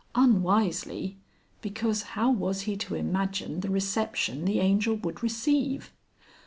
Unwisely, because how was he to imagine the reception the Angel would receive?